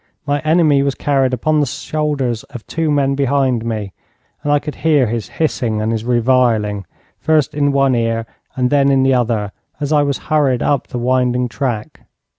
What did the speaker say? My enemy was carried upon the shoulders of two men behind me, and I could hear his hissing and his reviling, first in one ear and then in the other, as I was hurried up the winding track.